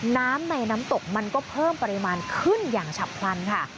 น้ำในน้ำตกมันก็เพิ่มปริมาณขึ้นอย่างฉับพลันค่ะ